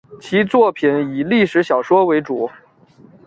其作品以历史小说为主。